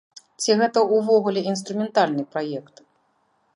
Ці гэта ўвогуле інструментальны праект?